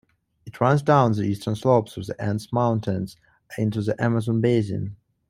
It runs down the eastern slopes of the Andes Mountains into the Amazon Basin.